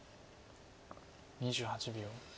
２８秒。